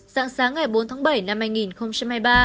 dạng sáng ngày bốn tháng bảy năm hai nghìn hai mươi ba